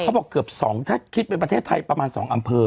บอกเกือบ๒ถ้าคิดเป็นประเทศไทยประมาณ๒อำเภอ